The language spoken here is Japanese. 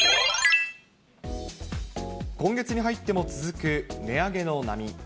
今月に入っても続く値上げの波。